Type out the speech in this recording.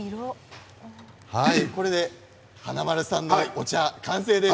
これで華丸さんのお茶が完成です。